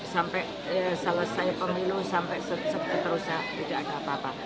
sampai selesai pemilu sampai seterusnya tidak ada apa apa